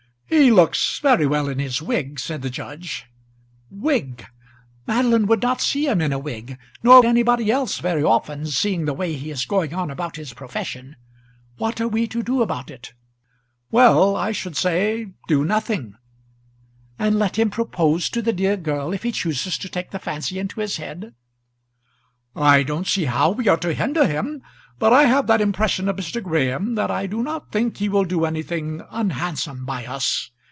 "He looks very well in his wig," said the judge. "Wig! Madeline would not see him in a wig; nor anybody else very often, seeing the way he is going on about his profession. What are we to do about it?" "Well. I should say, do nothing." "And let him propose to the dear girl if he chooses to take the fancy into his head?" "I don't see how we are to hinder him. But I have that impression of Mr. Graham that I do not think he will do anything unhandsome by us.